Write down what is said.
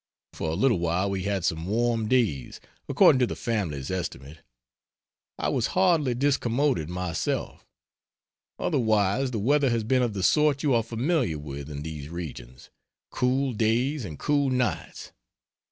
For a little while we had some warm days according to the family's estimate; I was hardly discommoded myself. Otherwise the weather has been of the sort you are familiar with in these regions: cool days and cool nights.